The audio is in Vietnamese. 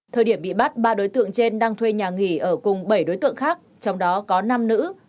thời điểm bị bắt ba đối tượng trên đang thuê nhà nghỉ ở cùng bảy đối tượng khác trong đó có năm nữ